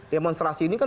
demonstrasi ini kan